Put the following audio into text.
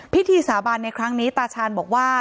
พิธีสาบานในครั้งนี้ตาชาญบอกว่า